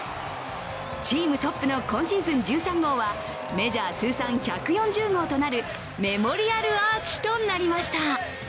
チームトップの今シーズン１３号はメジャー通算１４０号となるメモリアルアーチとなりました。